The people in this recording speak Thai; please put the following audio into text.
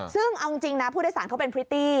ซึ่งเอาจริงนะผู้โดยสารเขาเป็นพริตตี้